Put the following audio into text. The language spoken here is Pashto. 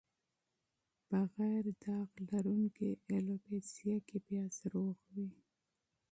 په غیر داغ لرونکې الوپیسیا کې پیاز روغ وي.